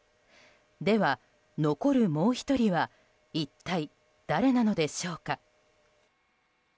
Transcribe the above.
では、残るもう１人は一体誰なのでしょうか。